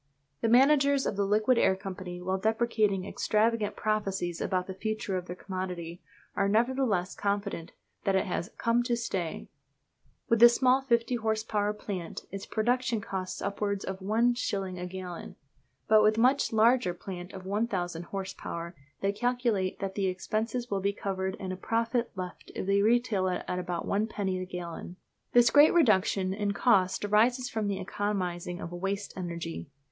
The managers of the Liquid Air Company, while deprecating extravagant prophecies about the future of their commodity, are nevertheless confident that it has "come to stay." With the small 50 horse power plant its production costs upwards of one shilling a gallon, but with much larger plant of 1000 horse power they calculate that the expenses will be covered and a profit left if they retail it at but one penny the gallon. This great reduction in cost arises from the economising of "waste energy."